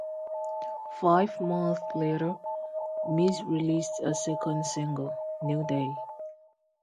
Five months later, Miz released her second single, "New Day".